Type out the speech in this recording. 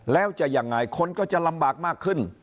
แล้วจะยังไงคนก็จะลำบากมากขึ้น